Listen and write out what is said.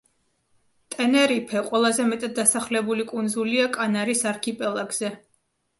ტენერიფე ყველაზე მეტად დასახლებული კუნძულია კანარის არქიპელაგზე.